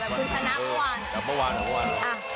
ธนาคมวานธนาคมวาน